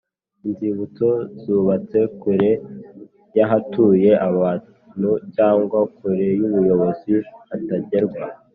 Inzibutso zubatse kure y ahatuye abantu cyangwa kure y ubuyobozi hatagerwa